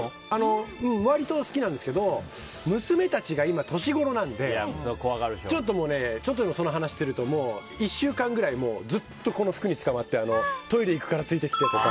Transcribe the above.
割と好きなんですけど娘たちが今、年頃なのでちょっとでも、その話をすると１週間くらいずっとこの服につかまってトイレに行くからついてきてとか。